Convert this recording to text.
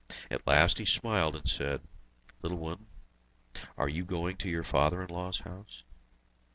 At last he smiled and said: "Little one, are you going to your father in law's house?"